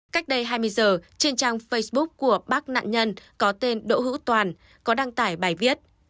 cách đây hai mươi giờ trên trang facebook của bác nạn nhân có tên đỗ hữu toàn có đăng tải bài viết